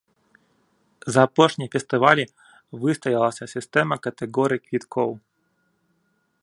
За апошнія фестывалі выстаялася сістэма катэгорый квіткоў.